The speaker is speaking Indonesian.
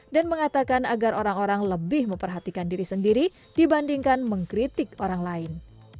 dan mengatakan agar orang orang lebih memperhatikan diri sendiri dibandingkan mengkritik orang lain